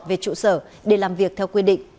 về trụ sở để làm việc theo quy định